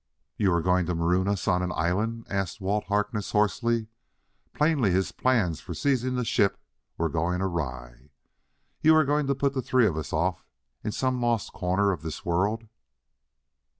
"You are going to maroon us on an island?" asked Walt Harkness hoarsely. Plainly his plans for seizing the ship were going awry. "You are going to put the three of us off in some lost corner of this world?"